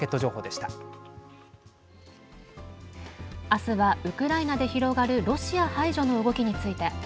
あすは、ウクライナで広がるロシア排除の動きについて。